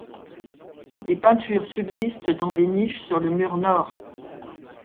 Des peintures subsistent dans des niches sur le mur nord.